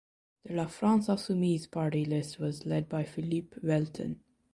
The La France Insoumise party list was led by Philippe Velten.